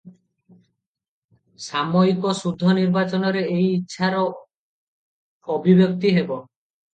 ସାମୟିକ ଶୁଦ୍ଧ ନିର୍ବାଚନରେ ଏହି ଇଚ୍ଛାର ଅଭିବ୍ୟକ୍ତି ହେବ ।